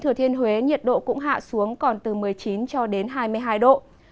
thừa thiên huế nhiệt độ cũng hạ xuống còn từ một mươi chín cho đến hai mươi hai độ